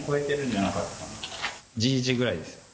じいじぐらいです。